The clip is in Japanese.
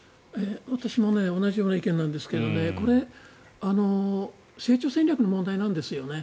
私も同じような意見なんですがこれ、成長戦略の問題なんですよね。